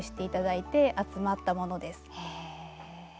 へえ。